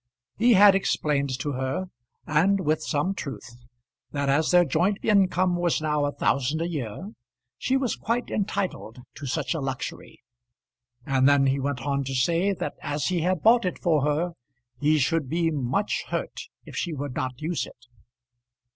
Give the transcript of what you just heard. He had explained to her, and with some truth, that as their joint income was now a thousand a year, she was quite entitled to such a luxury; and then he went on to say that as he had bought it for her, he should be much hurt if she would not use it.